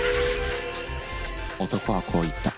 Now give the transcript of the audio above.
男はこう言った。